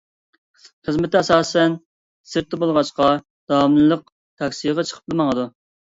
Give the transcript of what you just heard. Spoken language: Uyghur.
خىزمىتى ئاساسەن سىرتتا بولغاچقا داۋاملىق تاكسىغا چىقىپلا ماڭىدۇ.